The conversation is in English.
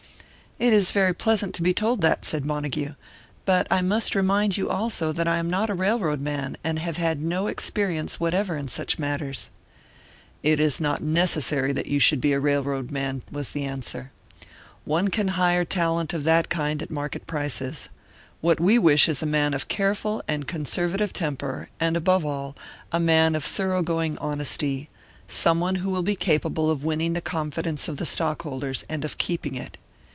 "It is very pleasant to be told that," said Montague. "But I must remind you, also, that I am not a railroad man, and have had no experience whatever in such matters " "It is not necessary that you should be a railroad man," was the answer. "One can hire talent of that kind at market prices. What we wish is a man of careful and conservative temper, and, above all, a man of thorough going honesty; someone who will be capable of winning the confidence of the stockholders, and of keeping it.